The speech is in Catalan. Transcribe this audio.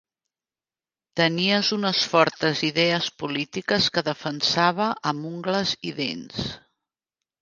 Tenies unes fortes idees polítiques que defensava amb ungles i dents.